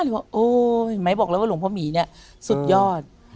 บอกโอ้เห็นไหมบอกแล้วว่าหลวงพ่อหมีเนี่ยสุดยอด